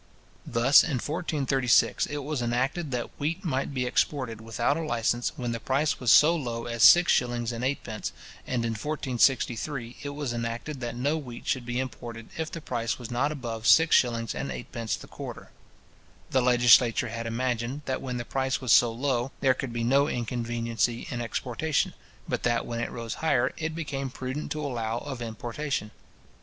Thus, in 1436, it was enacted, that wheat might be exported without a licence when the price was so low as six shillings and eightpence: and in 1463, it was enacted, that no wheat should be imported if the price was not above six shillings and eightpence the quarter: The legislature had imagined, that when the price was so low, there could be no inconveniency in exportation, but that when it rose higher, it became prudent to allow of importation.